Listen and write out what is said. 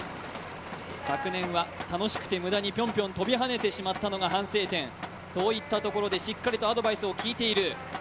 昨年は楽しくて無駄にぴょんぴょん跳びはねてしまったのが反省点、そういったところでしっかりとアドバイスを聞いている。